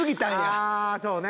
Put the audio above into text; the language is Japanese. ああーそうね。